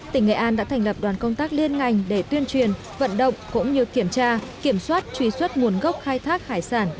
tỉnh nghệ an đã thành lập đoàn công tác liên ngành để tuyên truyền vận động cũng như kiểm tra kiểm soát truy xuất nguồn gốc khai thác hải sản